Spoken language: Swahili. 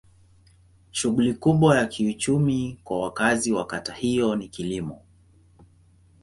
Shughuli kubwa ya kiuchumi kwa wakazi wa kata hiyo ni kilimo.